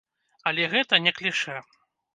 Але гэта не клішэ.